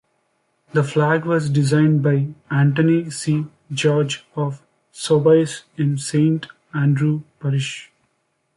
The flag was designed by Anthony C. George of Soubise in Saint Andrew Parish.